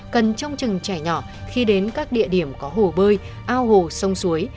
cần trông chừng trẻ nhỏ khi đến các địa điểm có hồ bơi ao hồ sông suối